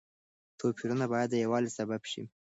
توپيرونه بايد د يووالي سبب شي.